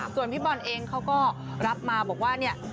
ส่วนพี่บอลเองเขาก็รับมาบอกว่าเนี่ย